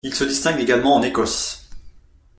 Il se distingue également en Écosse.